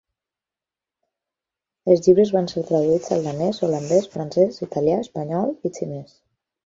Els llibres van ser traduïts al danès, holandès, francès, italià, espanyol i xinès.